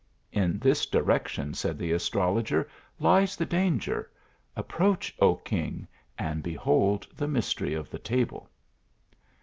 " In this direction " said the astrologer, " lies the danger approach, O king, and behold the mystery of the table."